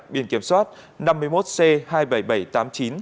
biên kiểm soát năm mươi một c hai nghìn bảy trăm bảy mươi tám